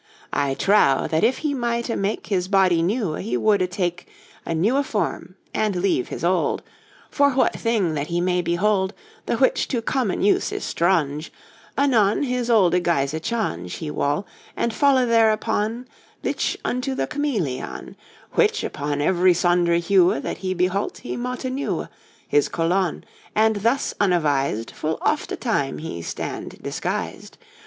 I trowe, if that he mighté make His body newe, he woldé take A newé form and leve his olde. For what thing that he may behold The which to common use is straunge, Anone his oldé guisé chaunge He woll, and fallé therupon Lich unto the camelion, Whiche upon every sondry hewe That he beholt he moté newe His coloun; and thus unavised Full ofté time he stand desguised.